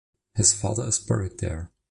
His father is buried there.